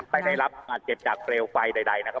ไปได้รับบาดเจ็บจากเตรียลไฟใดนะครับ